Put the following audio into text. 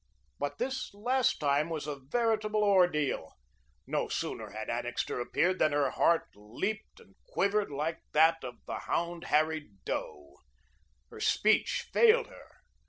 But this last time was a veritable ordeal. No sooner had Annixter appeared than her heart leaped and quivered like that of the hound harried doe. Her speech failed her.